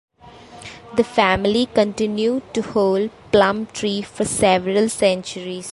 The family continued to hold Plumtree for several centuries.